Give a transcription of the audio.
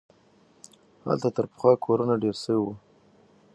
هلته تر پخوا کورونه ډېر سوي وو.